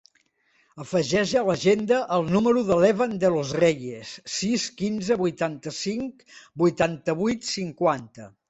Afegeix a l'agenda el número de l'Evan De Los Reyes: sis, quinze, vuitanta-cinc, vuitanta-vuit, cinquanta.